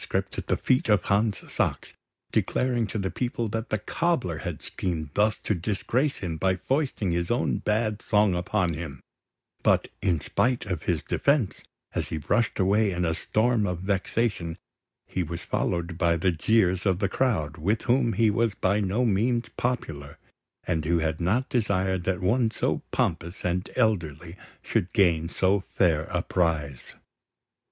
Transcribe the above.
at the feet of Hans Sachs, declaring to the people that the cobbler had schemed thus to disgrace him by foisting his own bad song upon him; but in spite of his defence, as he rushed away in a storm of vexation, he was followed by the jeers of the crowd, with whom he was by no means popular, and who had not desired that one so pompous and elderly should gain so fair a prize.